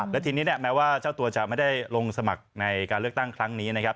และทีนี้แม้ว่าเจ้าตัวจะไม่ได้ลงสมัครในการเลือกตั้งครั้งนี้นะครับ